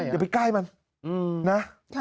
อย่าไปใกล้มันนะ